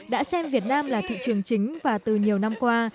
đã xem việt nam là thị trường chính và từ nhiều năm qua